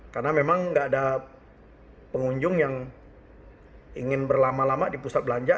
karena memang tidak ada pengunjung yang ingin berlama lama di pusat belanja